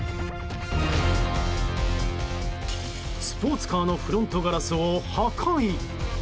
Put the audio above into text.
スポーツカーのフロントガラスを破壊。